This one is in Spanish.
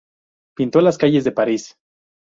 Pintó las calles de Paris.